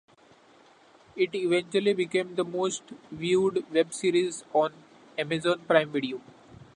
It eventually became the most viewed web series on Amazon Prime Video.